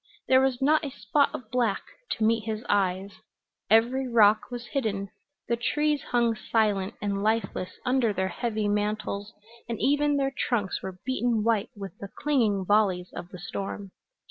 There was not a spot of black to meet his eyes; every rock was hidden; the trees hung silent and lifeless under their heavy mantles and even their trunks were beaten white with the clinging volleys of the storm.